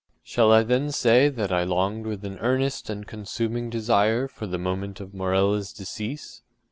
Shall I then say that I longed with an earnest and consuming desire for the moment of Morella’s decease?